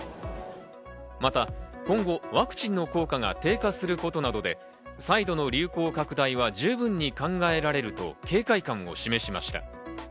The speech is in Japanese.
また今後ワクチンの効果が低下することなどで、再度の流行拡大は十分に考えられると警戒感を示しました。